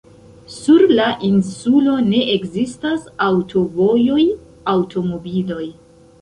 Sur la insulo ne ekzistas aŭtovojoj, aŭtomobiloj.